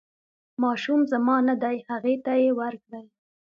ماشوم زما نه دی هغې ته یې ورکړئ.